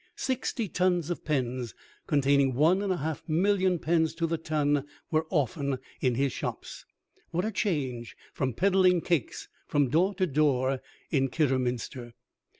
Sixty tons of pens, containing one and a half million pens to the ton, were often in his shops. What a change from peddling cakes from door to door in Kidderminster!